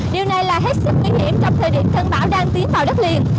điều này là hết sức nguy hiểm trong thời điểm cơn bão đang tiến vào đất liền